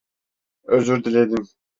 Özür diledim.